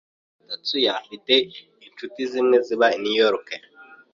Tatsuya afite inshuti zimwe ziba i New York.